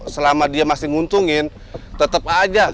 selama dia masih nguntungin tetap aja